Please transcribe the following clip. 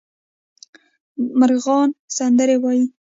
مرغان سندرې وايي